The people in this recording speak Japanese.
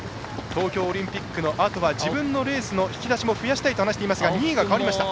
東京オリンピックのあとは自分のレースの引き出しも増やしたいと話していました。